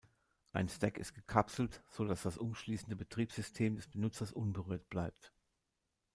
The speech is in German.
Ein Stack ist gekapselt, so dass das umschließende Betriebssystem des Benutzers unberührt bleibt.